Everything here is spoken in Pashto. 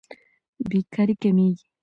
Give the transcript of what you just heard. بېکاري کمېږي.